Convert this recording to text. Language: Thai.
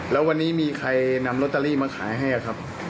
แล้ววันนี้มีใครนำลอตเตอรี่มาขายให้ครับ